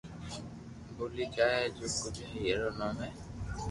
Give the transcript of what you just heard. ٻولي جائي ھي جو ڪوجھ ھير رو نوم ھي